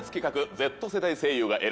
Ｚ世代声優が選ぶ！